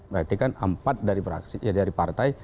berarti kan empat dari partai